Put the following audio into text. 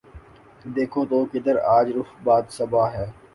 دیکھو تو کدھر آج رخ باد صبا ہے